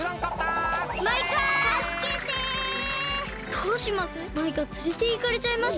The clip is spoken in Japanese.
どうします？